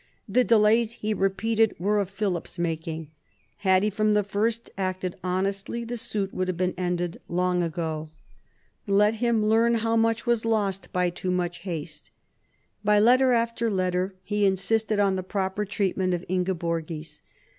The delays, he repeated, were of Philip's making. Had he from the first acted honestly the suit would have been ended long ago. Let him learn how much was lost by too much haste. By letter after letter he insisted on the proper treatment of Ingeborgis.